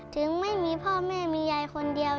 ถึงไม่มีพ่อแม่มียายคนเดียว